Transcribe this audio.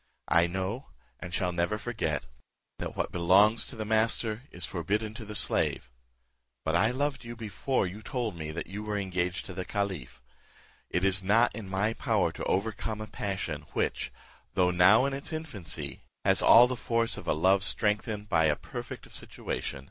I know, and shall never forget, 'that what belongs to the master is forbidden to the slave;' but I loved you before you told me that you were engaged to the caliph; it is not in my power to overcome a passion which, though now in its infancy, has all the force of a love strengthened by a perfect of situation.